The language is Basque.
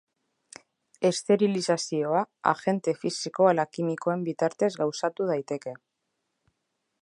Esterilizazioa agente fisiko ala kimikoen bitartez gauzatu daiteke.